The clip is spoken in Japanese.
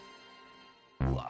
うわ。